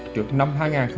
trước năm hai nghìn tám